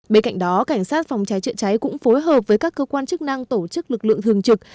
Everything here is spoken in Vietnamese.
bên cạnh đó cảnh sát phòng cháy chữa cháy cũng phối hợp với các cơ quan chức năng tổ chức lực lượng thường trực